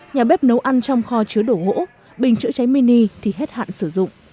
nhà bếp nấu ăn trong kho chứa đổ gỗ bình chữa cháy mini thì hết hạn sử dụng